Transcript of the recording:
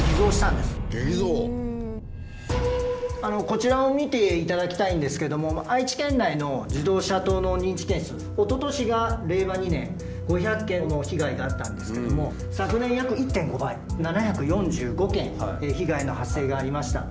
こちらを見ていただきたいんですけども愛知県内の自動車盗の認知件数おととしが令和２年５００件の被害があったんですけれども昨年約１．５倍７４５件被害の発生がありました。